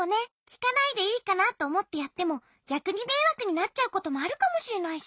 きかないでいいかなとおもってやってもぎゃくにめいわくになっちゃうこともあるかもしれないし。